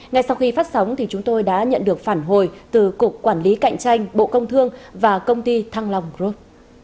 ngay sau khi phát sóng chúng tôi đã nhận được phản hồi từ cục quản lý cạnh tranh bộ công thương và công ty thăng long group